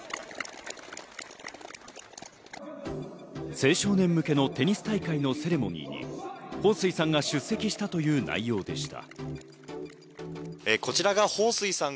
青少年向けのテニス大会のセレモニーにホウ・スイさんが出席したという内容でした。